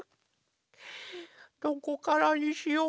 どこからにしようかな。